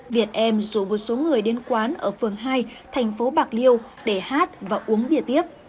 việt em rủ một số người đến quán ở phường hai thành phố bạc liêu để hát và uống bia tiếp